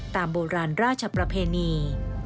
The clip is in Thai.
ตามโบราณราชประเพณี